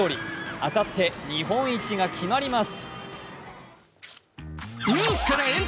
あさって日本一が決まります。